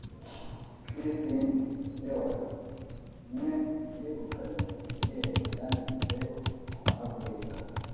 Kristen Stewart nwe yegukanye igihembo cyanditse amateka